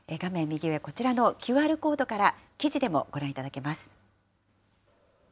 右上、こちらのＱＲコードから、記事でもご覧いただけます。